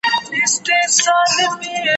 پر سينه باندي يې ايښي وه لاسونه